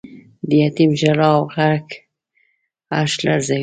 د یتیم ژړا او غږ عرش لړزوی.